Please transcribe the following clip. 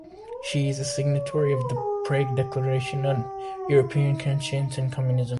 She is a signatory of the Prague Declaration on European Conscience and Communism.